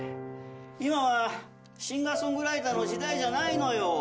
今はシンガーソングライターの時代じゃないのよ。